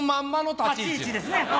立ち位置ですね。